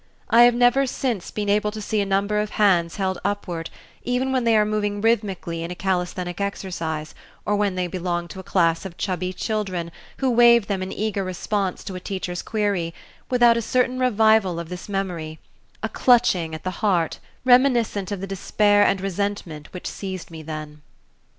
I have never since been able to see a number of hands held upward, even when they are moving rhythmically in a calisthenic exercise, or when they belong to a class of chubby children who wave them in eager response to a teacher's query, without a certain revival of this memory, a clutching at the heart reminiscent of the despair and resentment which seized me then.